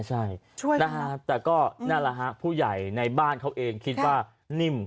ใช่นะฮะแต่ก็นั่นแหละฮะผู้ใหญ่ในบ้านเขาเองคิดว่านิ่ม